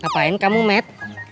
ngapain kamu met